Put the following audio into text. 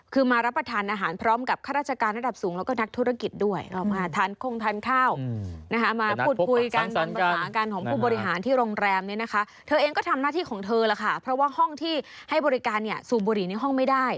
คือมารับประทานอาหารพร้อมกับข้าราชการระดับสูงและก็พูดกับนักธุรกิจด้วย